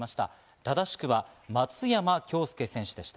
正しくは松山恭助選手でした。